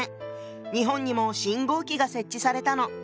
日本にも信号機が設置されたの。